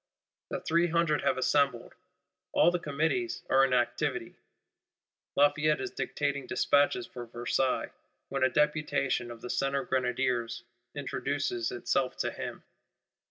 The Three Hundred have assembled; "all the Committees are in activity;" Lafayette is dictating despatches for Versailles, when a Deputation of the Centre Grenadiers introduces itself to him.